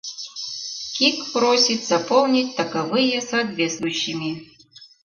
КИК просит заполнить таковые соответствующими»...